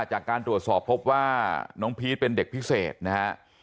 จากการตรวจสอบพบว่าน้องพีชเป็นเด็กพิเศษนะฮะ